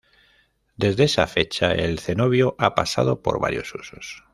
Desde esa fecha, el cenobio ha pasado por varios usos.